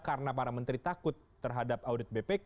karena para menteri takut terhadap audit bpk